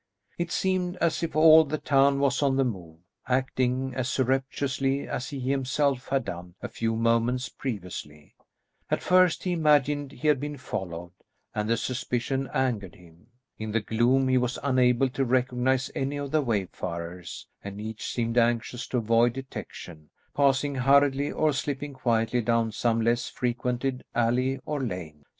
It seemed as if all the town was on the move, acting as surreptitiously as he himself had done a few moments previously. At first he imagined he had been followed, and the suspicion angered him. In the gloom he was unable to recognise any of the wayfarers, and each seemed anxious to avoid detection, passing hurriedly or slipping quietly down some less frequented alley or lane.